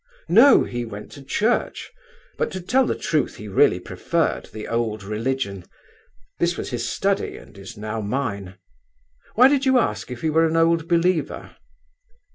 "No, he went to church, but to tell the truth he really preferred the old religion. This was his study and is now mine. Why did you ask if he were an Old Believer?"